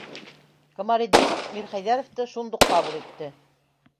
Камалетдинов Мирхәйҙәровты шундуҡ ҡабул итте.